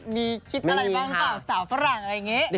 มีคิดอะไรบ้างเปล่าสาวฝรั่งอะไรอย่างนี้